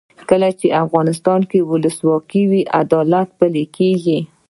کله چې افغانستان کې ولسواکي وي عدالت پلی کیږي.